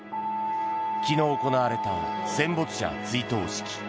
昨日、行われた戦没者追悼式。